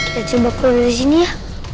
ya coba keluar dari sini ya